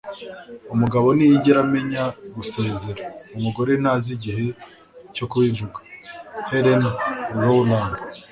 umugabo ntiyigera amenya gusezera; umugore ntazi igihe cyo kubivuga - helen rowland